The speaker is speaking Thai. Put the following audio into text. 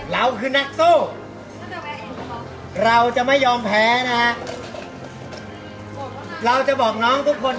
เราคือนักสู้เราจะไม่ยอมแพ้นะฮะเราจะบอกน้องทุกคน